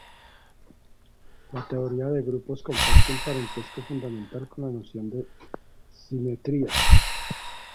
La teoría de grupos comparte un parentesco fundamental con la noción de simetría.